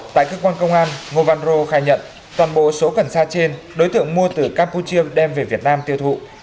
tại cơ quan công an ngô văn rô khai nhận toàn bộ số cần sa trên đối tượng mua từ campuchia đem về việt nam tiêu thụ